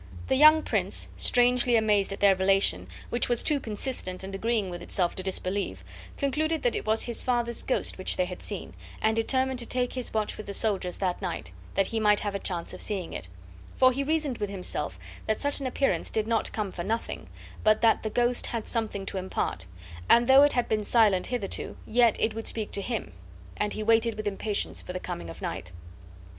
The young prince, strangely amazed at their relation, which was too consistent and agreeing with itself to disbelieve, concluded that it was his father's ghost which they had seen, and determined to take his watch with the soldiers that night, that he might have a chance of seeing it; for he reasoned with himself that such an appearance did not come for nothing, but that the ghost had something to impart, and though it had been silent hitherto, yet it would speak to him. And he waited with impatience for the coming of night.